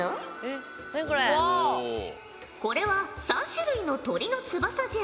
これは３種類の鳥の翼じゃ。